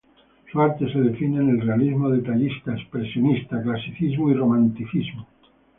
Su arte se define en el realismo detallista, expresionista, clasicismo y romanticismo.